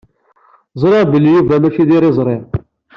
Ẓriɣ belli Yuba mačči d iriẓri.